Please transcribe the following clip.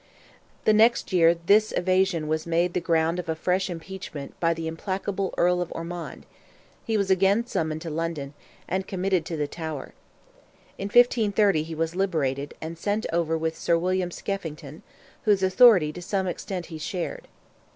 The next year this evasion was made the ground of a fresh impeachment by the implacable Earl of Ormond; he was again summoned to London, and committed to the Tower. In 1530 he was liberated, and sent over with Sir William Skeffington, whose authority to some extent he shared.